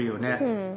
うん。